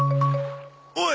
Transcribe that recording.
おい！